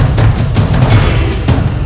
jangan lupa menangkap